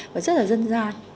và rất là dân gian